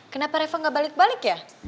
kenapa reva gak balik balik ya